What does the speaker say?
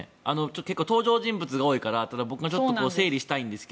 結構、登場人物が多いから僕も整理したいんですが